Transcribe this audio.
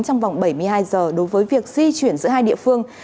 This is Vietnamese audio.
trong vòng bảy mươi hai giờ đối với việc di chuyển giữa hai địa phương